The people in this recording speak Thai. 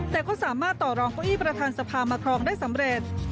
แต่ก็สามารถต่อรองเก้าอี้ประธานสภามาครองได้สำเร็จ